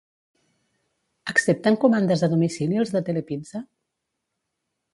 Accepten comandes a domicili els de Telepizza?